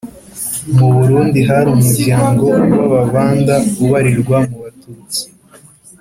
mu burundi hari umuryango w'ababanda ubarirwa mu batutsi